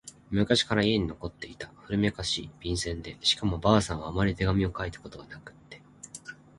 昔から家に残っていた古めかしい、便箋でしかも婆さんはあまり手紙を書いたことがなくって……